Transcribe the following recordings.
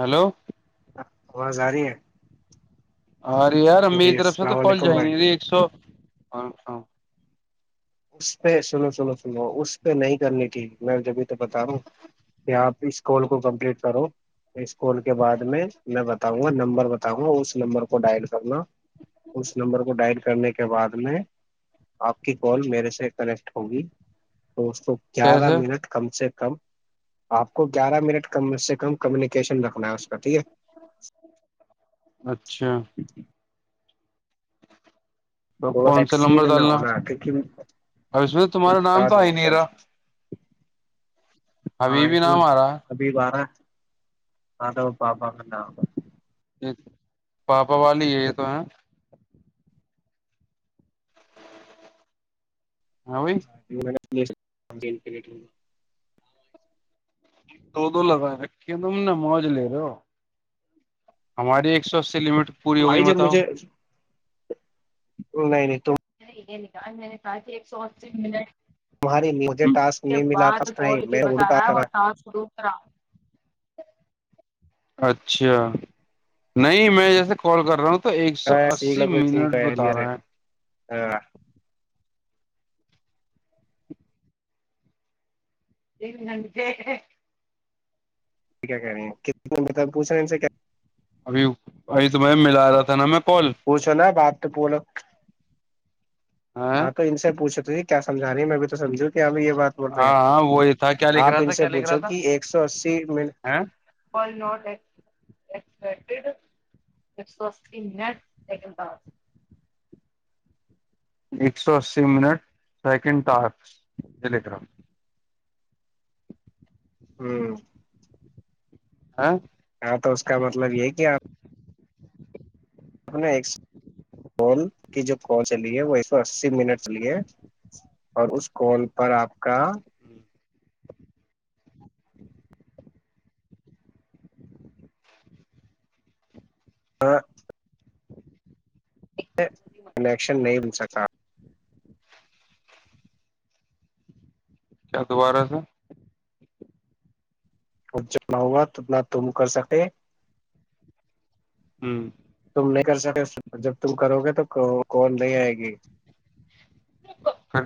hello ہیلوواز جا رہی ہے ارے یار میری جی طرف سے تو السلام کل علیکم جائے بھائی نہیں رہی ایک سو [inaudible] اس پہ سنو سنو سنو اس پہ نہیں کرنی تھی میں جبھی تو بتا رہا کہ آپ اس کال کو کمپلیٹ کرو اس کال کے بعد میں میں بتاؤں گا نمبر بتاؤں گا اس نمبر کو ڈائل کرنا اس نمبر کو ڈائل کرنے کے بعد میں آپ کی کال میرے سے کنیکٹ ہوں گی دو گیارہ کیسے منٹ کم سے ک کم آپ کو گیارہ منٹ کم سے کم کمیونیکیشن رکھنا ہے اس کا ٹھیک ہے اچھا اچھا تو وہ کون سا ٹیکسی نمبر ڈالنا ہونا ہے اب کیک اس میں تمہارا بتا نام تو آ دوں ہی گا نہیں رہا پہنچنا ہاں ابھی بھی اس میں نام آ رہا ابھی بارہ ا وہ پپا میں ن ج پاپا والی ہے یہ تو ہے اوئی جی پٹ دو دو لگا رکھے تم نے موج لے رہے ہو ہماری ایک سو اسی لٹ پوری ہو گئی بھائی جب بتاؤ مجھے نہیں نہیں تو یہ ل گا میں نے ساتی ایک سو اسی منٹ تمہاری مجھے ٹاسک میں ملا فسٹائ میں اروٹ کرا [inaudible] اچھا نہیں میں جیسے کال کر رہا ہوں تو ایک سو ہاں س اسی لوگ منٹ سر بتا رہا ہے ہاں دین ننے کیا کہہ رہ ہیں بتا پوچھا ان سے کیا ابھی ابھی تو میں ملا رہا تھا نا میں کال پوچھو نا ب آات تو بولو ہاں تو ان سے پوچھ کیامھ رہے ہیں میں بھی تو سجھوں ہاں ہاں وہی تھا کیا لکھ آپ رہا ان تھا سے کیا لکھ رہا پوچھو تھا کہ ایک سو اسی منٹ ایک سو اس نٹ ایکس ایک سو اسی منٹ سیکنڈ ت ڈلیے گ ہوں ہاں ہاں تو اس کا مطلب یہ کہ آپ آپ نے ایک کال کی جو کال چلی ہے وہ ایک سو اسی منٹ چلی ہے اور اس کال پر آپ کا ہاں کنیکشن نہیں مل سکا کیا دوبارہ سے خ جتنا ہوا اتنا تم کر سکے ہوں ت نہیں کر سکے جب تم کرو گے تو کون نہیں آئے گی ہ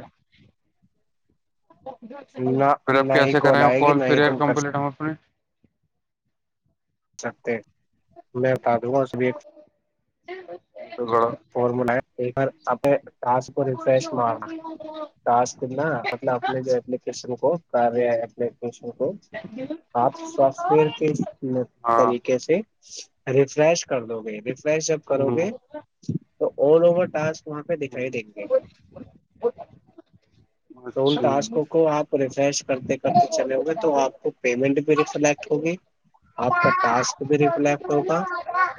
نہ پھر آپ نہ ہی کیسے کرے ہیں آئے گی کال نہ ہی فھر تم کر کمپلیٹ ہم اپنے سکتے میں بتا د گا اور سب ج فارمولا اپ ٹاس کو ریفریش مارنا ٹاسنا مطلب اپنے جو اپلیکیشن کو کر اپلیکیشن کو آپ سافٹ ویئر کے ہاں طریقے سے ریفریش کر دو گے فریش اپ کرو گے جی تو آل اوور ٹاسک وہاں پہ دکھائی دیں گے تو ان اچھا ٹسک کو آپ ریفریش کرتے کرتے چلے ہوں گے تو آپ کو پیمنٹ بھی ریفلیکٹ ہوگی آپ کا ٹاسک بھی ریفلیکٹ ہوگا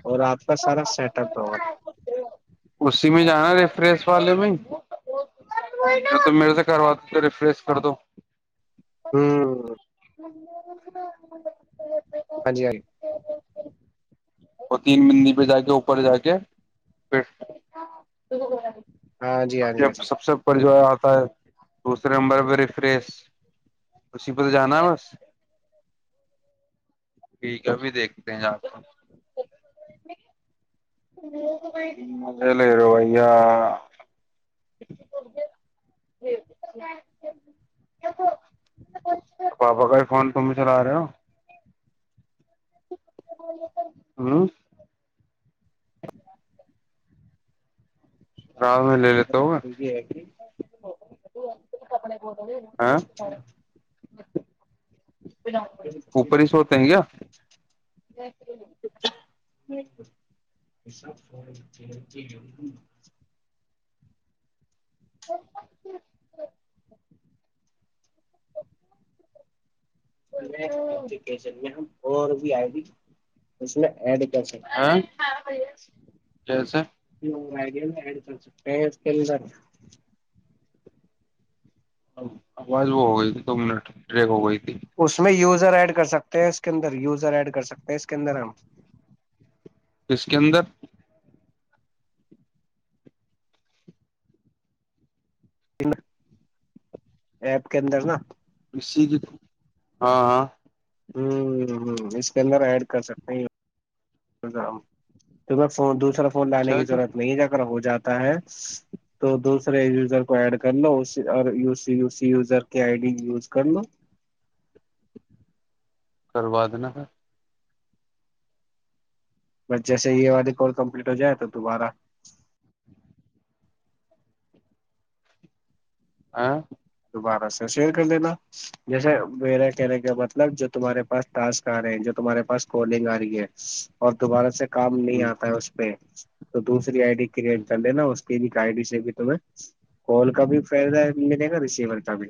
اور آپ کا سارا سیٹ اپ ہوگا اسی میں جانا ر پریس والے میں ہی ت میرے سے کروا دو ریفریش کر دو ہاں ہاں جی ہاں جی وہ تین مندی پہ جا کے اوپر جا کے پھر ہاں جی ہاں جی جب ہاں جی سب سے پر جو ہے دوسرے نمبر پہ ریفریس اسی پ تو جانا ہے بس ٹھیک ہےبھی دیکھتے ہیں آ مز لے رہ بیا پاپا کا ہی فون تم چلا رہے ہو ہاں رات میں لے لیتا ہوگا ہاں جی یہ جنے ہاں اوپر س ہوتے ہیں کیا بب [unintelligible] س [unintelligible] میں اپپلیکیشنیا [unintelligible] اور بھی آئے ت اس میں ایڈ کر سکتے ہیں چسے آ گ ای کر کےلدر [unintelligible] اب آواز وہ ہو گئی تھی دو منٹ ریک ہو گئی تھی اس میں یوز یزر ایڈ کر سکتے ہیں اس کے اندر یوزر ایڈ کر سکتے ہیں اس کے اندر ہم اس کے اندر ایپ کے اندر نا ہاں ہاں ہ ہ اس کے اندر ایڈ کر سکتے ہیں فون دوسرا ون لانے اچھا جی کیضورت نہیں ہے اگر ہو جا ہے تو دوسرے یوزر کو ایڈ کر لو اس اور یو سسی یوزر کی آئی ڈی یوز کر لو کروا دینا ہے بس جیسے یہ والی کور کمپلیٹ ہو جائے تو تمہارا آ [unintelligible] دوبارہ سے شئر کر دینا جیسے میرا کہنے کا مطلب جو تمہارے پاس ٹسک آ رہے ہیں جو تمہارے پاس کولنگ آ رہی ہے اور دوبارہ سے کام نہیں آتا ہے اس پہ تو تو ری آئی ڈی کریٹ کر رہے نا اس کی بھی آئی ڈی سے بھی تمہیں کال کا بھی فائدہ ملے گا ر بھی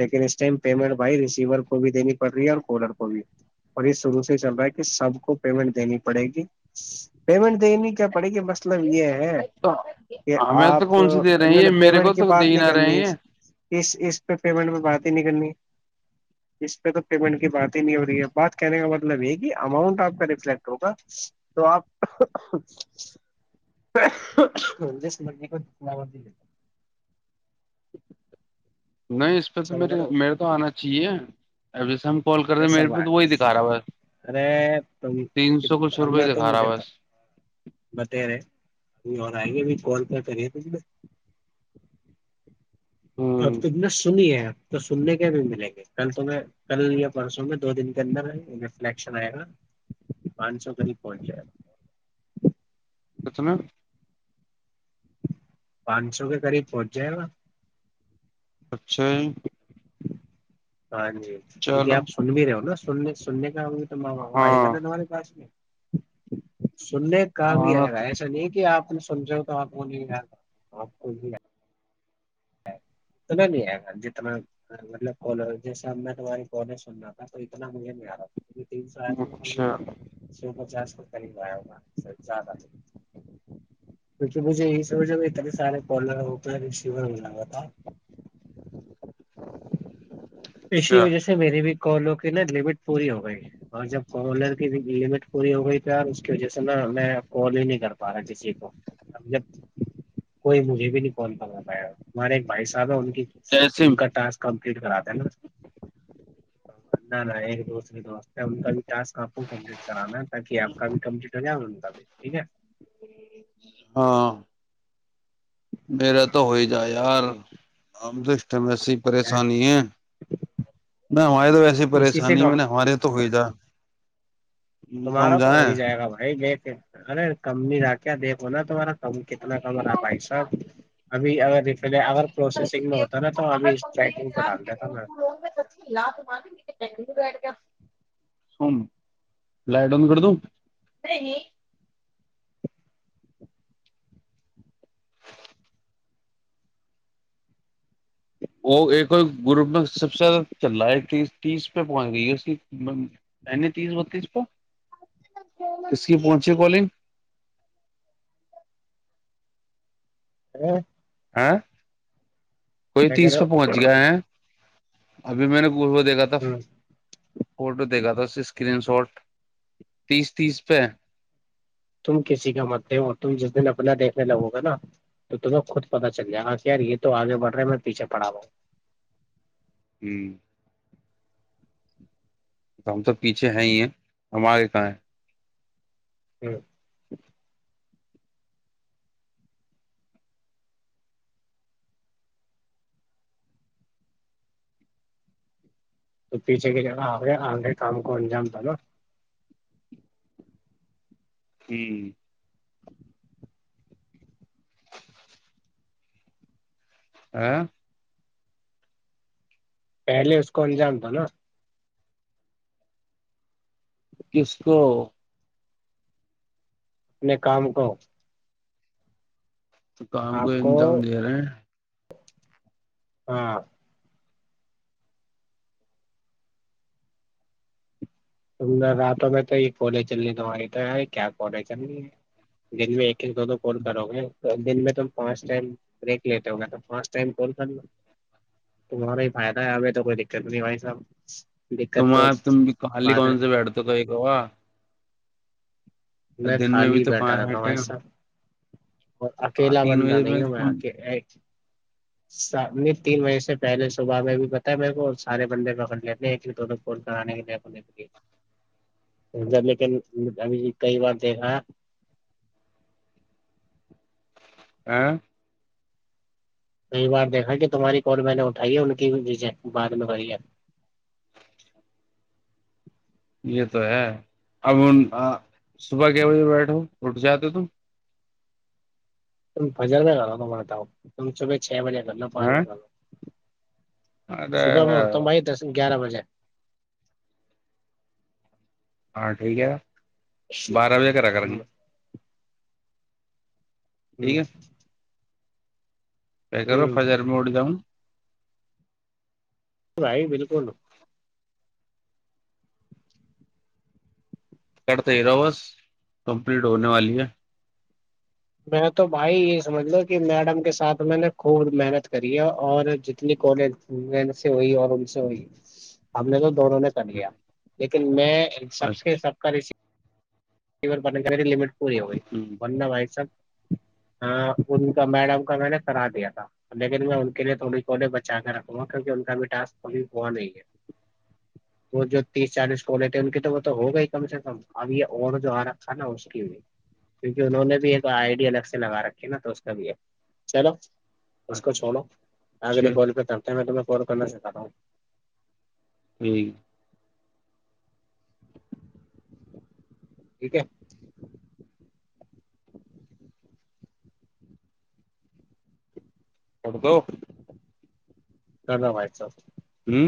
لیکن اس م پیمنٹ بھائی ریسیور کو بھی دینی پڑ رہی ہے اور کالر کو بھی اور یہ شروع سے چل رہا ہے کہ سب کو پیمنٹ دینی پڑے گی پیمنٹ دین کے پڑے گ مطلب یہ ہے کہ ہمیں تو آپ کون سی دے رہے ہیں نہیں ن یہ میرے کو پیمنٹ کی تو دے بات ہی نہیں نہ کرنی رہے ہیں اس پہ پیمنٹ میں بات ہی نہیں کرنی اس پہ تو پیمنٹ کی بات ہی نہیں ہو رہی ہے بات کہنے کا مطلب یہ کہ اماؤنٹ آپ کا رفلیکٹ ہوگا تو آپ م نہیں اس پہ تو مے میرے تو آنا چاہیے اب جیسے ہم کال کر رہے ویسا میرے پہ ہوا تو ہے وہی دکھا رہا بس ارے تین سو کچھ تم روپئے میں ہی دکھا رہا تم بس بتے رہے ابھی اور آئ گے بھی کال کیا کریے ت اپ ہوں تو اتنا سنیےپ تو سننے کے بھی ملیں گے کل تو کل یا پرسوں میں دو دن کے اندر رفلیکشن آئے گا پانچ سو قریب پہنچ جائے گا کت میں پانچ سو کے قریب پہنچ جائے گا اچھا ہاں جی ج ٹھیک ہے چلو آپ سن بھی رہے ہو نا سننے سننے کا آئے ہاں گا نا تمہارے پاس میں سننے کام بھی آنا آئے گا تو ایسا نہیں کہ آپ نے سمجھاو تو آپ وہ نہیں آیا تھا آپ کو تو میں نہیں آئے گا جتنا مطلبال جیسب میں تمہاری کالج سننا تھا تو اتنا مجھے نہیں آ رہا تھا تین سو آتا ناے اچھا سو پچاس س ہوادہ نہیں کیکہ مجھے یہی سمج اتنے سارےرنے لگا تھا اسی اچھا وجہ سے میری بھی کالوک ن لٹ پوری ہو گئی اور جب کالر کی لمٹ پوری ہو گئی یار اس کی وجہ سے نا میں کال ہی نہیں کر پا رہا کسی کو جب کوئی مجھے بھی نہیں کال کرو پایا ہمارے ایک بھائی صاحب ہے جیسے ان کا ٹسک ک کٹ کراتا ہیں نا نہ نہ ایک دوستری توست ہم ٹسک آپ کو کمپلیٹ کرانا ہے تاکہ آپ کا بھی کمپلیٹ ہو جائے گا کاب بھی ٹھیک ہے ہاں میرا تو ہو ہاں ہی جا یار ہم تو وسی پریشانی ہے نہ ہماریے تو ویسی اسی سے پریشانی میں نے ہمارے یہ تو ہوئی جا کم تمہارا تو ہو جائیں ہی جائے گا بھائی میں ارے کم نہیں رہا کیا دیکھو نا تمہارا کم کتنا ب لان [unintelligible] کم رہا بھائی صاحب ابھی اگر ریفل اگر پروسیسنگ میں ہوتا نا تو ابھی اسٹرائکنگ پہ ڈال دیتا میں سم لائٹ ان کر دو وہ ایک گروپ میں سب سے زیادہ چل رہا ہے تیس تیس پہ پہنچ گئی ہے اس تیس بتیس پہ کس کی پہنچی کالنگ [inaudible] آاں [inaudible] کوئی تیس پہ ہ پہنچ گیا ہے ابھی میں نےچ دیکھا تھا فٹو دیکھا تھا اسکرین شاٹ تیس تیس پہ تم لگوگا نا تو تمہیں خود پتہ چل جائے گ یار یہ تو آگے بڑھ رہے میں پیچھے پڑا ہوا ہوں ہوں ہم تو پیچھے ہیں ہی ہیں ہمارے کہاں ہے [inaudible] ہ [inaudible] تو پیچھے کی ج آے آگے کام کو اجام تھا نا ہوں [inaudible] پہلے اس کو انجام تھا نا کس کو اپنے کام کو تو کام کو انظام دے رہے ہیں ہاں ت نے راتوں میں تو یہ کولے چلنی تواری تو کیا پالے چلنی ہے دن میں کہ د تو کون کرو گے دن میں ت فٹم بیک لیتے ہو گاٹ تمہارا فائد ہے اب تو کوئی دقت نہیں بائی صاحب دقت تو تمہار تمال بات ہے کون سے بیٹھتے تو ایکوا دن میں بھی خالی تو بیٹھا پانچ رہتا ہوں ہٹے بھائی ہیں صاحب اور اکیلا بننا نہیں ہوں تم میںک سام تین بجے سے پہلے صبح میں بھی پتا ہے میرے کو سارے بندے پکڑ لیتے ہیں دونوں فون کرانے کے لی لیکن اب کئی بار دیکھا ہے [inaudible] کئی بار دیکھا کہ تمہاری کال میں نے اٹھائی ہے ان کییز بعد میں کری ہے یہ تو ہے اب صبح کے بجے بیٹھو اٹھ جاتے تم بزار نہیں کرا توے تھاؤ ت شبچھا ج بول ہاں پانیا ارے صبح میں اٹتا ہوں بائی درس گیارہ بجے ہاں ٹھیک ہے بارہ بجے کرا کر گ ہ ٹھیک کیا کرو فجر مڑ جاؤں بھائی بالکل کرتے ہی رہاو بس کمپلیٹ ہونے والی ہے میں تو بھائی یہ سمجھ ل کہ میڈم کے ساتھ میں نے خوب محنت کری ہے اور جتنی کالج م سے ہوئی اور ان سے ہوئی ہم نے تو دونوں نے کر لیا لیکن میں سب سے اچھا سب کا ر پالن کر پوری ہو ہ ورندہ بھائی سب ہاں ان کا میڈم کا میں نے کررا دیا تھا لیکن میں ان کے لیے تھوڑی کونےے بچا کے رکھوں گا کیونکہ ان کا بھی ٹک ابھی ہوا نہیں ہے وہ جو تیس چالیس کولے تھے ان کی تو وہ تو ہو گا ہی کم سے کم اب یہ اور جو آا تھا نا اس کی بھی کیونکہ انہوں نے بھی تو آئیڈیا الگ سے لگا رکھے نا تو اس کا بھی ہے چلو اس کو چھوڑو آگ اچھا کال پہ کرتے ہیں تو فور کرنا سکھ رہا ہوں نہیں ٹھیک ہے پڑ دو کدم سا ہوں